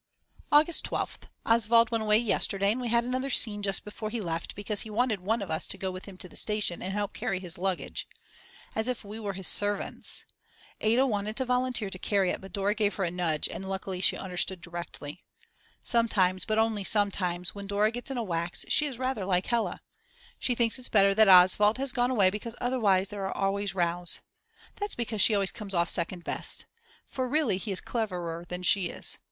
August 12th. Oswald went away yesterday and we had another scene just before he left because he wanted one of us to go with him to the station and help carry his luggage. As if we were his servants. Ada wanted to volunteer to carry it, but Dora gave her a nudge and luckily she understood directly. Sometimes, but only sometimes, when Dora gets in a wax she is rather like Hella. She thinks it's better that Oswald has gone away because otherwise there are always rows. That's because she always comes off second best. For really he is cleverer than she is.